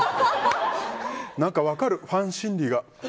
何か分かる、ファン心理が。